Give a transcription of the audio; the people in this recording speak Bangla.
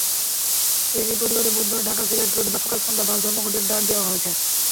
এরই প্রতিবাদে বুধবার ঢাকা-সিলেট রুটে বুধবার সকাল-সন্ধ্যা বাস ধর্মঘটের ডাক দেওয়া হয়েছে।